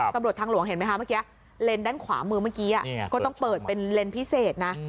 ตำรวจทางหลวงเห็นไหมคะเมื่อกี้เลนส์ด้านขวามือเมื่อกี้ก็ต้องเปิดเป็นเลนส์พิเศษนะ